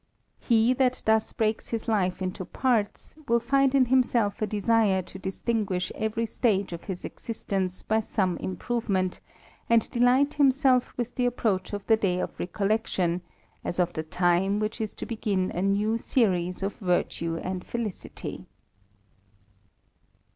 He that thus breaks his life into ;, will find in himself a desire to distinguish every stage is existence by some improvement, and delight himself the approach of the day of recollection, as of the time h is to begin a new series of virtue and felicity.